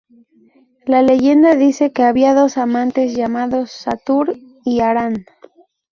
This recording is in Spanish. La leyenda dice que había dos amantes llamados Satur y Aran.